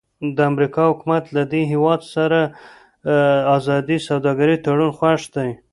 د امریکا حکومت له دې هېواد سره د ازادې سوداګرۍ تړون خوښ دی.